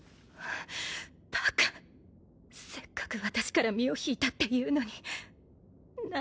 バカせっかく私から身を引いたっていうのに何で。